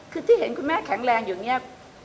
คือที่เห็นคุณแม่แข็งแรงอยู่เนี่ย